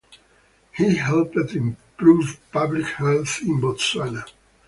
He helped improve public health in Botswana.